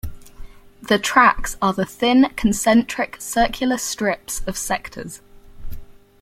The tracks are the thin concentric circular strips of sectors.